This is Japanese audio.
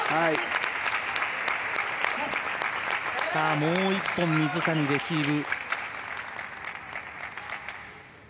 もう１本、水谷レシーブ。